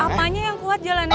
apanya yang kuat jalannya